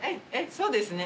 そうですね。